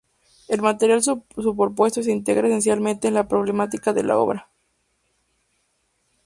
El material superpuesto se integra esencialmente en la problemática de la obra.